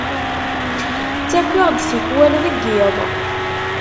Ttakiɣ-d tikwal deg yiḍ.